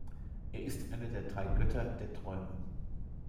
Er ist einer der drei Götter der Träume.